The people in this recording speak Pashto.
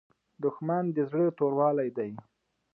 دښمن د زړه توروالی دی